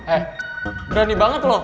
eh berani banget lo